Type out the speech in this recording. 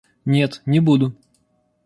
Нет, не буду!